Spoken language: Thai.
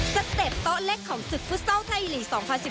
สเต็ปโต๊ะเล็กของศึกฟุตเซาทายลีด๒๐๑๗